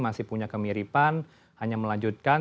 masih punya kemiripan hanya melanjutkan